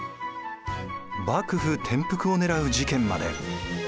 幕府転覆を狙う事件まで。